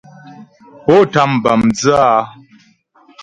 Pó tám bǎ mdzə́ a ?